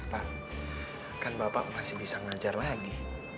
pak kan bapak masih bisa ngajar lagi